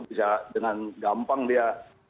bisa dengan gampang dia